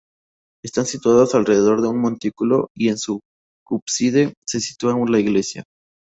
Están situadas alrededor de un montículo y en su cúspide se sitúa la iglesia.